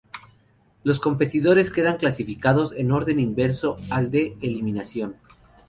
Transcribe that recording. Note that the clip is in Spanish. Los competidores quedan clasificados en orden inverso al de eliminación.